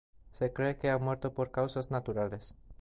Se cree que ha muerto por causas naturales.